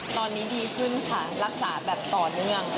ตอนนี้ดีขึ้นค่ะรักษาแบบต่อเนื่อง